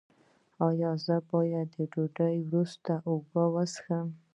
ایا زه باید له ډوډۍ وروسته اوبه وڅښم؟